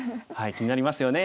気になりますよね。